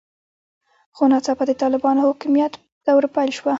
خو ناڅاپه د طالبانو حاکمیت دوره پیل شوه.